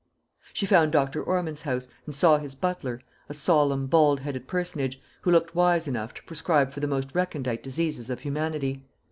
She found Dr. Ormond's house, and saw his butler, a solemn bald headed personage, who looked wise enough to prescribe for the most recondite diseases of humanity.